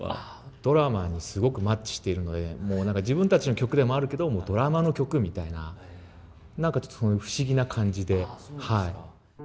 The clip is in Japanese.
ドラマにすごくマッチしているのでもう何か自分たちの曲でもあるけどドラマの曲みたいな何かちょっと不思議な感じで。